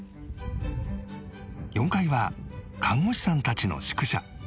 ４階は看護師さんたちの宿舎